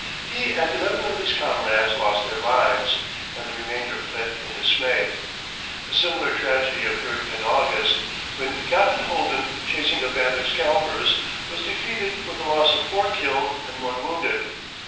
He and eleven of his comrades lost their lives, and the remainder fled in dismay. A similar tragedy occurred in August, when Captain Holden, chasing a band of scalpers, was defeated with a loss of four killed and one wounded.